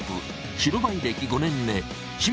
白バイ歴５年目。